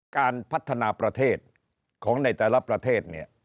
การพัฒนาประเทศของในแต่ละประเทศเนี่ย